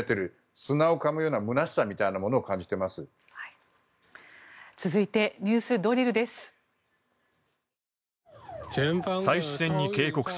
砂をかむような空しさのようなものを感じています。